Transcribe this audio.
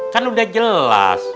kan udah jelas